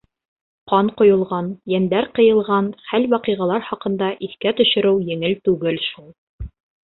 Ҡан ҡойолған, йәндәр ҡыйылған хәл-ваҡиғалар хаҡында иҫкә төшөрөү еңел түгел шул.